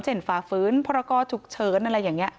เจ็นฟาฟื้นพระก้อจุกเชิญอะไรอย่างนี้